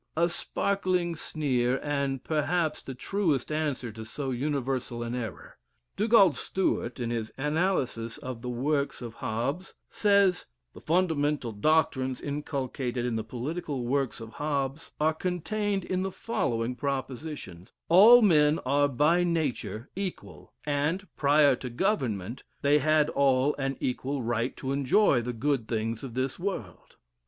A sparkling sneer, and perhaps the truest answer to so universal an error. Dugald Stewart, in his analysis of the works of Hobbes, says, The fundamental doctrines inculcated in the political works of Hobbes, are contained in the following propositions: All men are by nature equal, and, prior to government, they had all an equal right to enjoy the good things of this world.